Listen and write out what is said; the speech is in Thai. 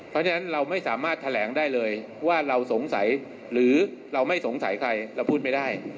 เพราะฉะนั้นเราไม่สามารถแถลงได้เลยว่าเราสงสัยหรือเราไม่สงสัยใครเราพูดไม่ได้